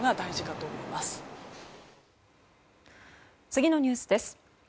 次のニュースです。